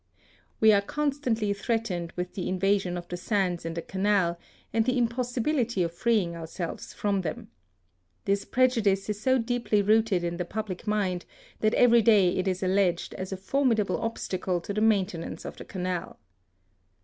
We are constantly threatened with the inva 22 HISTORY OP sion of the sands in the Canal, and the im possibility of freeing ourselves from them. ' This prejudice is so deeply rooted in the public mind, that every day it is alleged as a formidable obstacle to the maintenance of the Canal.